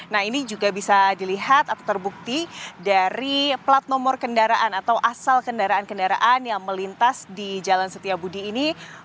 nah ini juga bisa dilihat atau terbukti dari plat nomor kendaraan atau asal kendaraan kendaraan yang melintas di jalan setiabudi ini